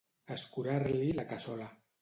Escurar-li la cassola.